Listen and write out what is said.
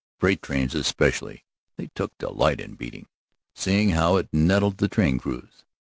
Freight trains especially they took delight in beating, seeing how it nettled the train crews.